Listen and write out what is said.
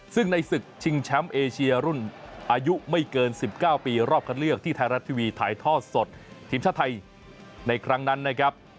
ซึ่งในศึกชิงแชมป์เอเชียรุ่นอายุไม่เกิน๑๙ปีรอบคัดเลือกที่ไทยรัฐทีวีถ่ายทอดสดทีมชาติไทยในครั้งนั้นนะครับ